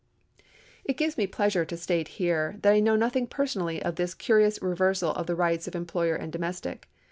It gives me pleasure to state here, that I know nothing personally of this curious reversal of the rights of employer and domestic.